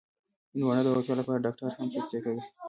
هندوانه د روغتیا لپاره ډاکټر هم توصیه کوي.